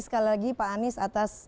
sekali lagi pak anies atas